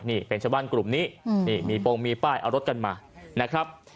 นี่เป็นชาวบ้านกลุ่มนี้นี่มีโปรงมีป้ายเอารถกันมานะครับ